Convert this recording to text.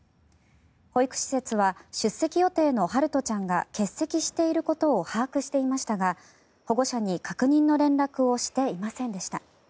保育施設は出席予定の陽翔ちゃんが欠席していることを把握していましたが保護者に確認の連絡をしていませんでした。